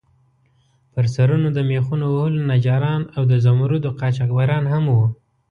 پر سرونو د میخونو وهلو نجاران او د زمُردو قاچاقبران هم وو.